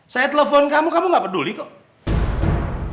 saya telepon kamu kamu gak peduli kok